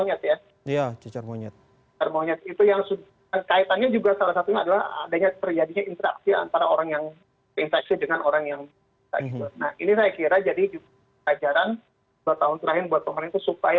nah ini saya kira jadi ajaran dua tahun terakhir buat pemerintah supaya mengantisipasi masalah masalah serupa